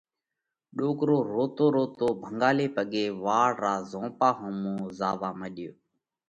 ڏوڪرو روتو روتو ڀنڳالي پڳي واڙ را زهونپا ۿومو زاوا مڏيو۔